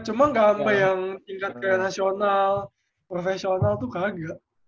cuma nggak sampai yang tingkat kayak nasional profesional tuh kaget